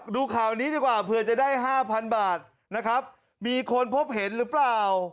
ดูข่าวนี้ดีกว่าเผื่อจะได้ห้าพันบาทนะครับมีคนพบเห็นหรือเปล่า